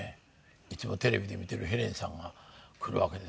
いつもテレビで見てるヘレンさんが来るわけですから。